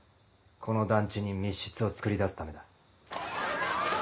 この団地に密室をつくり出すためだ。